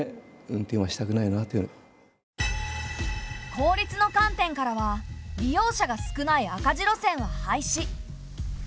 効率の観点からは利用者が少ない赤字路線は廃止。